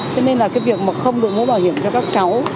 cho nên là cái việc mà không đội mũ bảo hiểm cho các cháu